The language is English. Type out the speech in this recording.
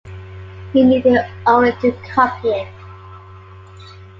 He needed only to copy it.